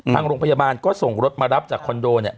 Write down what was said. ทางโรงพยาบาลก็ส่งรถมารับจากคอนโดเนี่ย